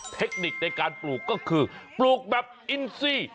เทคนิคในการปลูกก็คือปลูกแบบอินซี